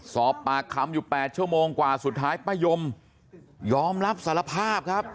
สอบปากคำอยู่๘ชั่วโมงกว่าสุดท้ายป้ายมยอมรับสารภาพครับ